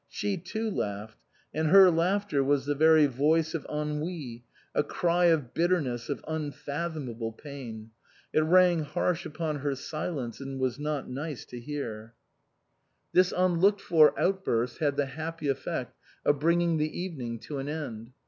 She too laughed, and her laughter was the very voice of Ennui, a cry of bitterness, of unfathomable pain. It rang harsh upon her silence and was not nice to hear. T.S.Q. 33 D THE COSMOPOLITAN This unlooked for outburst had the happy effect of bringing the evening to an end.